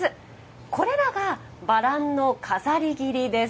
これらがバランの飾り切りです。